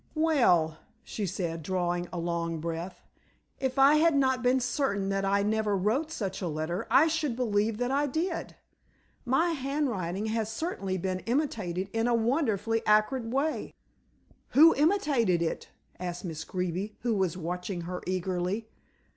"Well," she said, drawing a long breath, "if I had not been certain that I never wrote such a letter, I should believe that I did. My handwriting has certainly been imitated in a wonderfully accurate way." "Who imitated it?" asked Miss Greeby, who was watching her eagerly.